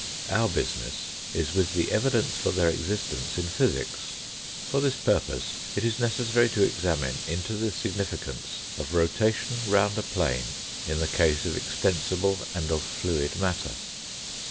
Our business is with the evidence for their existence in physics. For this purpose it is necessary to examine into the signifi cance of rotation round a plane in the case of extensible and of fluid matter.